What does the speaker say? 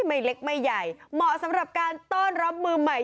ไม่เล็กไม่ใหญ่เหมาะสำหรับการต้อนรับมือใหม่